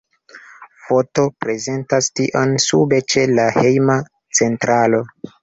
Foto prezentas tion sube ĉe la hejma centralo.